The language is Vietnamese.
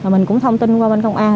mình cũng thông tin qua bên công an